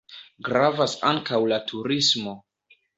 Gravas ankaŭ la turismo.